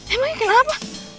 emang ini kenapa